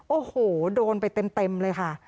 โอ้โหโดนไปเต็มเลยค่ะ